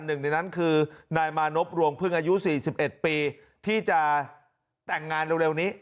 หนึ่งในนั้นคือนายมานพรวงพึ่งอายุ๔๑ปีที่จะแต่งงานเร็วนี้